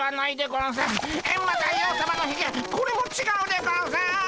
これもちがうでゴンス！